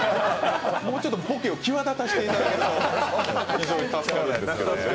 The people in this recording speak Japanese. もうちょっとボケを際立たせていただくと助かるんですけどね。